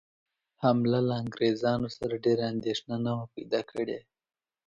حمله له انګرېزانو سره ډېره اندېښنه نه وه پیدا کړې.